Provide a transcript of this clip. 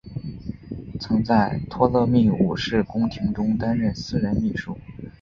曾在托勒密五世宫廷中担任私人秘书。